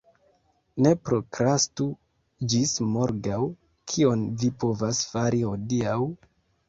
Ne prokrastu ĝis morgaŭ, kion vi povas fari hodiaŭ.